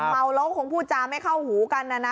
เมาแล้วก็คงพูดจาไม่เข้าหูกันนะนะ